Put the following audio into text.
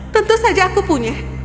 tentu saja aku punya